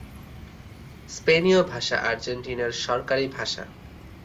স্পেনীয় ভাষা আর্জেন্টিনার সরকারি ভাষা।